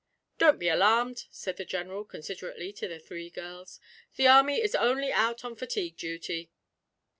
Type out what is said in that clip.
'Don't be alarmed,' said the General considerately to the three girls; 'the army is only out on fatigue duty.'